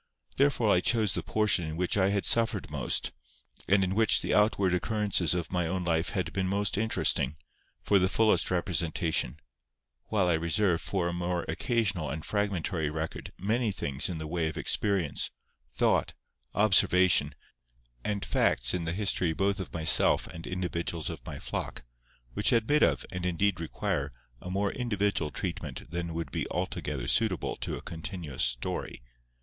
Therefore I chose the portion in which I had suffered most, and in which the outward occurrences of my own life had been most interesting, for the fullest representation; while I reserve for a more occasional and fragmentary record many things in the way of experience, thought, observation, and facts in the history both of myself and individuals of my flock, which admit of, and indeed require, a more individual treatment than would be altogether suitable to a continuous story.